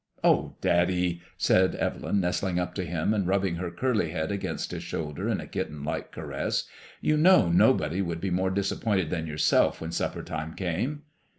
"Oh, daddy!" said Evelyn, nestling up to him, and rubbing her curly head against his shoulder in a kitten like caress. " You know nobody would be more disappointed than yourself when supper time came."